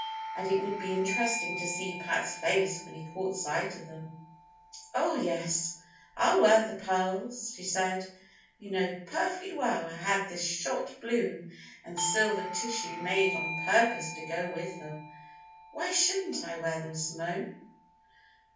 And it would be interesting to see Pat's face when he caught sight of them. "Oh, yes, I'll wear the pearls," she said. "You know perfectly well I had this shot blue and silver tissue made on purpose to go with them. Why shouldn't I wear them, Simone?"